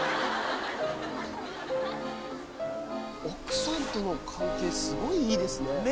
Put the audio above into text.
奥さんとの関係すごいいいですね。